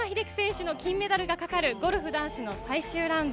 松山英樹選手の金メダルがかかるゴルフ男子の最終ラウンド。